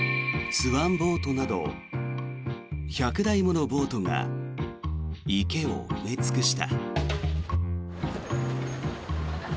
スワンボートなど１００台ものボートが池を埋め尽くした。